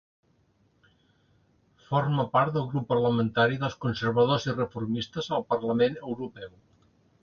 Forma part del Grup Parlamentari dels Conservadors i Reformistes al parlament europeu.